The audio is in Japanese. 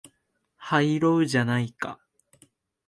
入ろうじゃないか